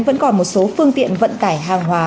vẫn còn một số phương tiện vận tải hàng hóa